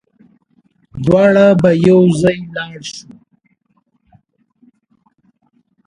دواړه به يوځای لاړ شو